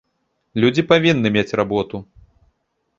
Людзі павінны мець работу.